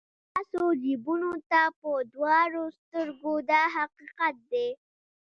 خو ستاسو جیبونو ته په دواړو سترګو دا حقیقت دی.